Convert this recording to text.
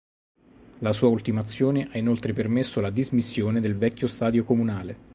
La sua ultimazione ha inoltre permesso la dismissione del vecchio stadio comunale.